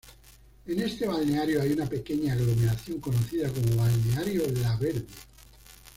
En este balneario hay una pequeña aglomeración conocida como Balneario La Verde.